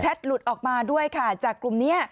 หลุดออกมาด้วยค่ะจากกลุ่มนี้